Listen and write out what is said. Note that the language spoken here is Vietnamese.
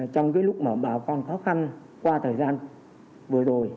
trong lúc mà bà con khó khăn qua thời gian vừa đổi